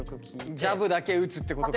ジャブだけ打つってことか。